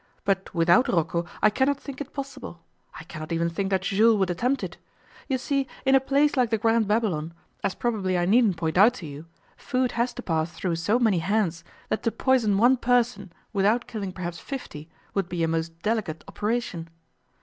But without Rocco I cannot think it possible. I cannot even think that Jules would attempt it. You see, in a place like the Grand Babylon, as probably I needn't point out to you, food has to pass through so many hands that to poison one person without killing perhaps fifty would be a most delicate operation.